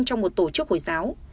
trong một tổ chức hồi giáo